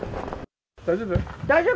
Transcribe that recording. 大丈夫？